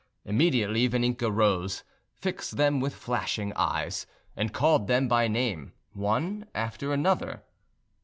Immediately Vaninka rose, fixed them with flashing eyes, and called them by name one after another.